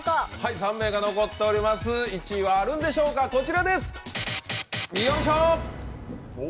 ３名が残っております、１位はあるんでしょうか、こちらです。